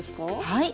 はい。